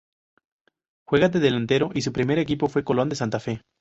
Juega de delantero y su primer equipo fue Colón de Santa Fe.